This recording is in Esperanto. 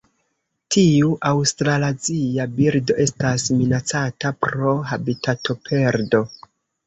Tiu aŭstralazia birdo estas minacata pro habitatoperdo.